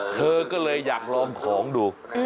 เธอก็เลยอยากลองของดู